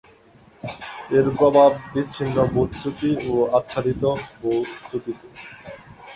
এর প্রভাব বিচ্ছিন্ন ভূ-চ্যুতি ও আচ্ছাদিত ভূ-চ্যুতিতে।